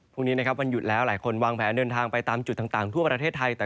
พรุ่งนี้นะครับวันหยุดแล้วหลายคนวางแผนเดินทางไปตามจุดต่างทั่วประเทศไทย